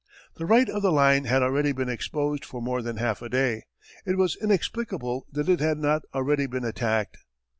The right of the line had already been exposed for more than half a day. It was inexplicable that it had not already been attacked.